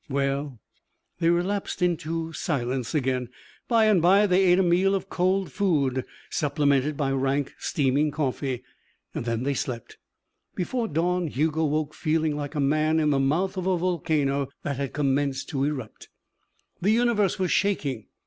"Well " They relapsed into silence again. By and by they ate a meal of cold food, supplemented by rank, steaming coffee. Then they slept. Before dawn Hugo woke feeling like a man in the mouth of a volcano that had commenced to erupt. The universe was shaking.